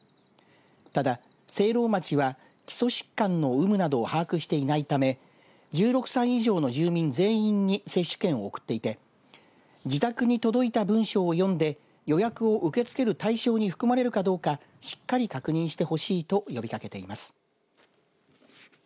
ただ、聖籠町は基礎疾患の有無などを把握していないため１６歳以上の住民全員に接種券を送っていて自宅に届いた文書を読んで予約を受け付ける対象に含まれるかどうかしっかり確認してほしいと呼びかけています。